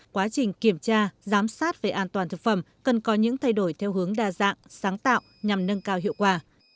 quá trình kiểm tra giám sát về an toàn thực phẩm cần có những thay đổi theo hướng đa dạng sáng tạo nhằm nâng cao hiệu quả